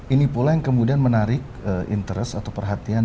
ini pula yang kemudian menarik interest atau perhatian